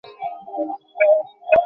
নাও, ছাড়ো!